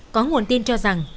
có nguồn tin cho rằng